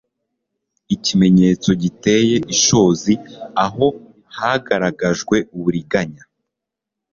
Ikimenyetso giteye ishozi aho hagaragajwe uburiganya